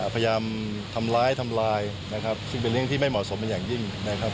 พยายามทำร้ายซึ่งเป็นเรื่องที่ไม่เหมาะสมอย่างยิ่ง